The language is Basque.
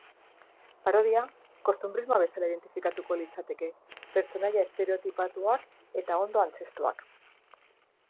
Parodia, kostunbrismoa bezala identifikatuko litzateke, pertsonaia estereotipatuak eta ondo antzeztuak.